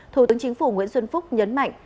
thủ tướng chính phủ nguyễn xuân phúc nhấn mạnh